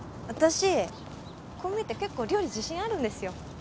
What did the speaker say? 私こう見えて結構料理自信あるんですよ。